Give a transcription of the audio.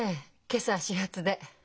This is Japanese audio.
今朝始発で。